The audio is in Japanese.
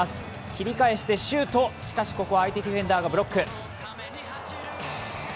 切り返してシュートしかしここは相手ディフェンダーがブロック。